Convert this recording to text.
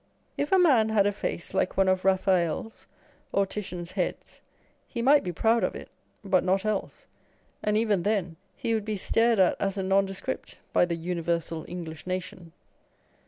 If a man had a face like one of Raphael's or Titian's heads, he might be proud of it, but not else ; and, even then, he would be stared at as a nondescript by " the universal English nation."